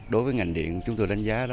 đối với ngành điện chúng tôi đánh giá đó